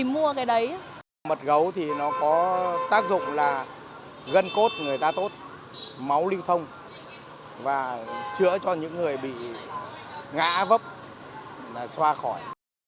những con gấu bị nhốt trong trường trại quan quại và đau đớn